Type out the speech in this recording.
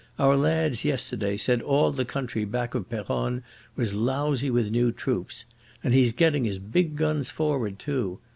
Our lads yesterday said all the country back of Peronne was lousy with new troops. And he's gettin' his big guns forward, too.